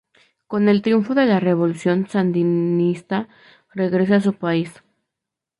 Con el triunfo de la revolución sandinista regresa a su país.